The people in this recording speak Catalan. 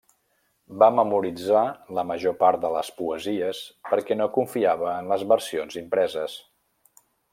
Va memoritzar la major part de les poesies perquè no confiava en les versions impreses.